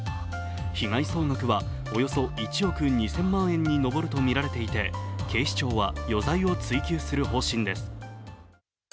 被害総額はおよそ１億２０００万円に上るとみられていて警視庁は余罪を追及する方針です。